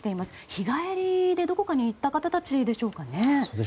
日帰りで、どこかに行った方たちでしょうかね。